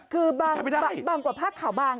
คือบางกว่าภาคขาวบางอีกแล้วครับ